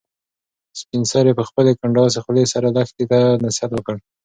سپین سرې په خپلې کنډاسې خولې سره لښتې ته نصیحت وکړ.